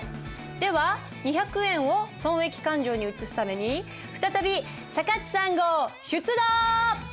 では２００円を損益勘定に移すために再びさかっち３号出動！